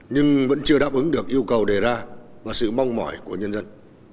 nhưng vẫn chưa đáp ứng được yêu cầu đề ra và sự mong mỏi của nhân dân